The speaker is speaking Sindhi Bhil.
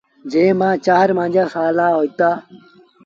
جݩهݩ مآݩ چآر مآݩجآ سآلآ هوئيٚتآ۔